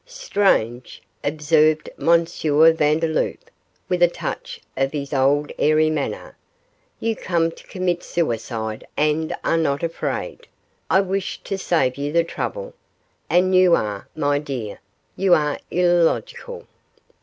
'Strange,' observed M. Vandeloup, with a touch of his old airy manner; 'you come to commit suicide and are not afraid; I wish to save you the trouble, and you are, my dear you are illogical.